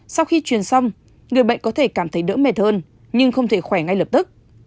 sau khi truyền xong người bệnh có thể cảm thấy đỡ mệt hơn nhưng không thể khỏe ngay lập tức